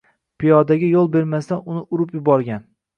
Piyodaga yoʻl bermasdan, uni urib yuborgan.